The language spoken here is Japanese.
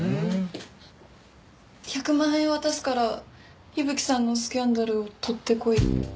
１００万円渡すから伊吹さんのスキャンダルを撮ってこいって。